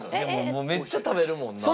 めっちゃ食べるもんな。